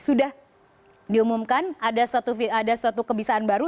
sudah diumumkan ada suatu kebisaan baru